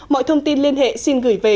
mọi thông tin liên hệ xin gửi về